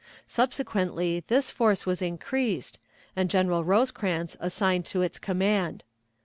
Subsequently this force was increased, and General Rosecrans assigned to its command.